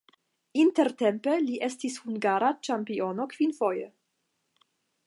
Intertempe li estis hungara ĉampiono kvinfoje.